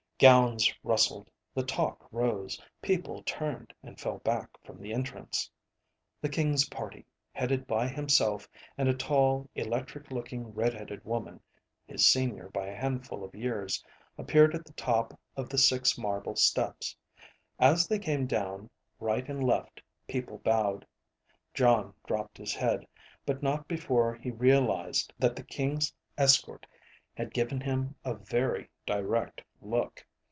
Gowns rustled, the talk rose, people turned, and fell back from the entrance. The King's party, headed by himself and a tall, electric looking red headed woman, his senior by a handful of years, appeared at the top of the six marble steps. As they came down, right and left, people bowed. Jon dropped his head, but not before he realized that the King's escort had given him a very direct look.